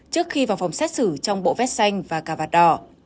trước khi vào phòng xét xử trong bộ vét xanh và cà vạt đỏ